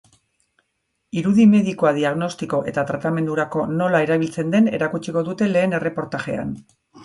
Irudi medikoa diagnostiko eta tratamendurako nola erabiltzen den erakutsiko dute lehen erreportajean.